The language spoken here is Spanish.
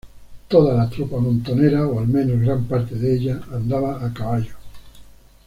Toda la tropa montonera o al menos gran parte de ella andaba a caballo.